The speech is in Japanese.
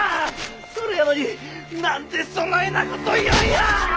それやのに何でそないなこと言うんや！